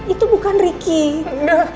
itu bukan ricky